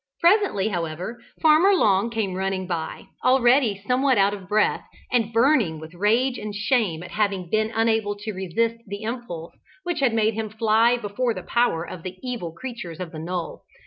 Presently, however, Farmer Long came running by, already somewhat out of breath, and burning with rage and shame at having been unable to resist the impulse which had made him fly before the power of the evil creatures of the knoll.